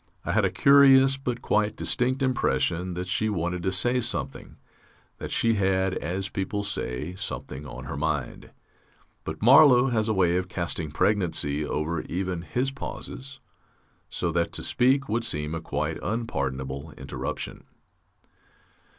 I had a curious but quite distinct impression that she wanted to say something, that she had, as people say, something on her mind. But Marlow has a way of casting pregnancy over even his pauses, so that to speak would seem a quite unpardonable interruption.